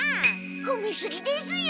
ほめすぎですよ！